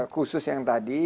khusus yang tadi